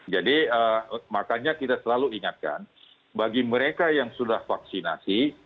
jadi makanya kita selalu ingatkan bagi mereka yang sudah vaksinasi